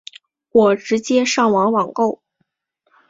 我直接上网网购